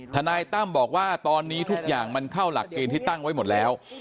ทนายตั้มบอกว่าตอนนี้ทุกอย่างมันเข้าหลักเกณฑ์ที่ตั้งไว้หมดแล้ว